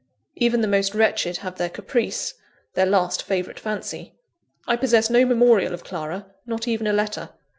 Even the most wretched have their caprice, their last favourite fancy. I possess no memorial of Clara, not even a letter.